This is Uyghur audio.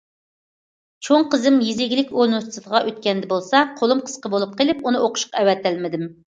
چوڭ قىزىم يېزا ئىگىلىك ئۇنىۋېرسىتېتىغا ئۆتكەندە بولسا قولۇم قىسقا بولۇپ قېلىپ، ئۇنى ئوقۇشقا ئەۋەتەلمىدىم.